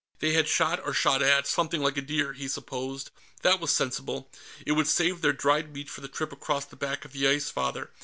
They had shot, or shot at, something like a deer, he supposed. That was sensible; it would save their dried meat for the trip across the back of the Ice Father.